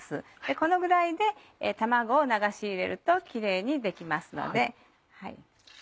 このぐらいで卵を流し入れるとキレイにできますので。